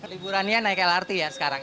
liburannya naik lrt ya sekarang